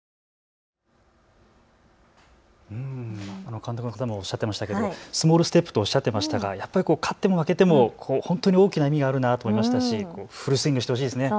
監督の方もおっしゃってましたけど、スモールステップとおっしゃってましたがやっぱり勝っても負けても本当に大きな意味があるなと思いましたしフルスイングしてほしいですね。